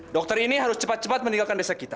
dokter ini harus cepat cepat meninggalkan desa kita